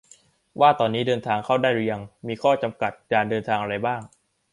ว่าตอนนี้เดินทางเข้าได้หรือยัง มีข้อจำกัดการเดินทางอะไรบ้าง